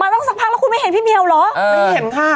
ตั้งสักพักแล้วคุณไม่เห็นพี่เมียวเหรอไม่เห็นค่ะ